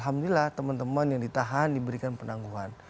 alhamdulillah teman teman yang ditahan diberikan penangguhan